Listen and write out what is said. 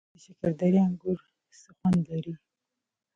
د شکردرې انګور څه خوند لري؟